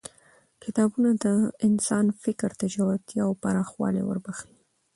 کتابونه د انسان فکر ته ژورتیا او پراخوالی وربخښي